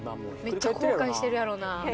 めっちゃ後悔してるやろな。